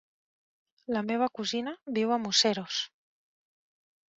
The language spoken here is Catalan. La meva cosina viu a Museros.